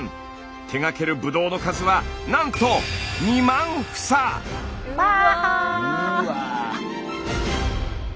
手がけるブドウの数はなんとわあ！